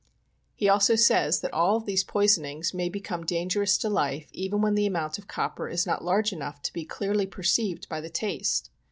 He also says all of these poisonings may become dangerous to life even when the amount of copper is not large enough to be clearly perceived by the taste.